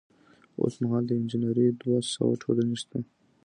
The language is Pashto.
اوس مهال د انجنیری دوه سوه ټولنې شته.